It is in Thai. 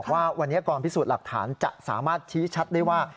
ว่าวันนี้กองพิสูจน์หลักฐานจะสามารถชี้ชัดได้ว่า